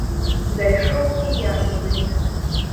Зайшоў і я туды.